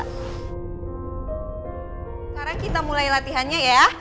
sekarang kita mulai latihannya ya